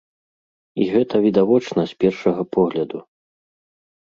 І гэта відавочна з першага погляду.